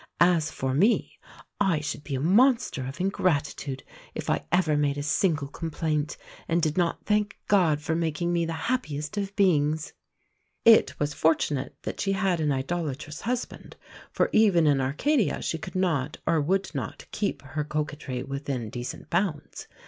As for me, I should be a monster of ingratitude if I ever made a single complaint and did not thank God for making me the happiest of beings." It was fortunate that she had an idolatrous husband; for even in Arcadia she could not, or would not, keep her coquetry within decent bounds.